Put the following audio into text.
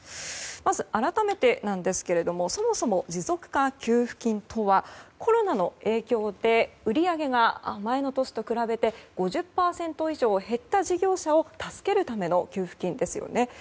まず、改めてですがそもそも持続化給付金とはコロナの影響で売り上げが前の年と比べて５０％以上減った事業者を助けるための給付金ですよね。